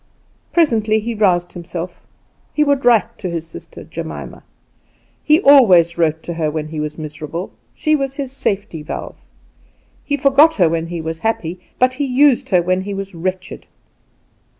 Presently he roused himself. He would write to his sister Jemima. He always wrote to her when he was miserable. She was his safety valve. He forgot her when he was happy; but he used her when he was wretched.